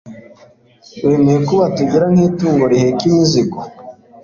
Wemeye ko batugira nk’itungo riheka imizigo